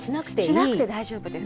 しなくて大丈夫です。